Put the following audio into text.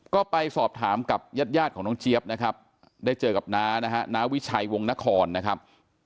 ก็ไปสอบถามกับญาติยาดของน้องเจี๊ยบนะครับได้เจอกับน้านะฮะน้าวิชัยวงนครนะครับ